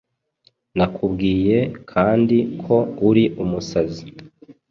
Nakubwiye Kandi ko uri umusazi